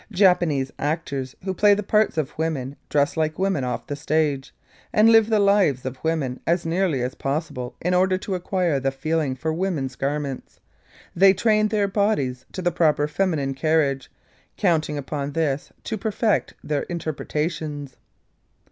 Japanese actors who play the parts of women, dress like women off the stage, and live the lives of women as nearly as possible, in order to acquire the feeling for women's garments; they train their bodies to the proper feminine carriage, counting upon this to perfect their interpretations.